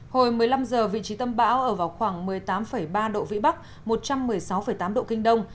hồi một mươi năm h vị trí tâm bão ở vào khoảng một mươi tám ba độ vĩ bắc một trăm một mươi sáu tám độ kinh đông